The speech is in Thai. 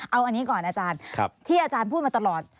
เอาอันนี้ก่อนอาจารย์ที่อาจารย์พูดมาตลอด